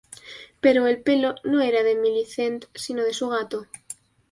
Pero el pelo no era de Millicent, sino de su gato.